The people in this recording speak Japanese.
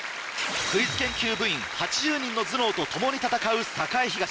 クイズ研究部員８０人の頭脳と共に戦う栄東。